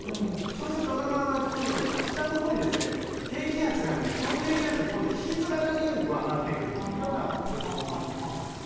そうすると、北のほうに低気圧があるので低気圧に引きずられるように上がってくるという予想になってきます。